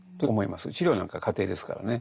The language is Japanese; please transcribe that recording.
治療なんかは過程ですからね。